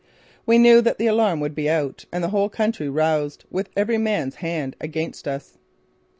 We knew that the alarm would be out and the whole country roused, with every man's hand against us.